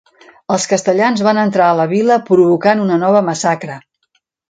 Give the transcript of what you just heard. Els castellans van entrar a la vila provocant una nova massacre.